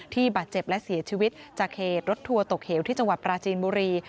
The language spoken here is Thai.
บาดเจ็บและเสียชีวิตจากเหตุรถทัวร์ตกเหวที่จังหวัดปราจีนบุรี